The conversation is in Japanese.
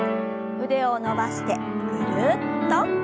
腕を伸ばしてぐるっと。